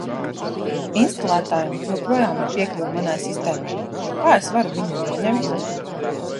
Instalētājam joprojām ir piekļuve manai sistēmai. Kā es varu viņu noņemt?